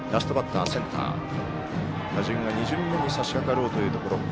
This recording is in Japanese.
打順が２巡目にさしかかろうというところ。